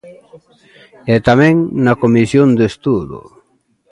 E tamén na comisión de estudo.